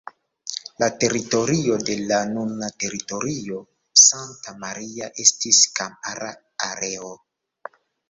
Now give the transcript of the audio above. La teritorio de la nuna teritorio Santa Maria estis kampara areo.